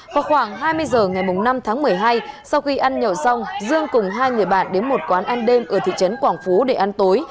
vào khoảng hai mươi h ngày năm tháng một mươi hai sau khi ăn nhậu xong dương cùng hai người bạn đến một quán ăn đêm ở thị trấn quảng phú để ăn tối